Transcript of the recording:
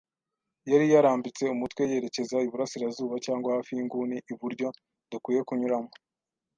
yari yarambitse umutwe yerekeza iburasirazuba, cyangwa hafi yinguni iburyo dukwiye kunyuramo.